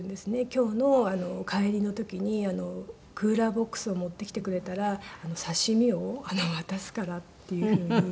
今日の帰りの時にクーラーボックスを持ってきてくれたら刺し身を渡すからっていうふうに。